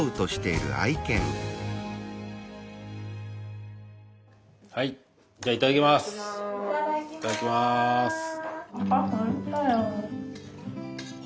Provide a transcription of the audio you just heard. いただきます。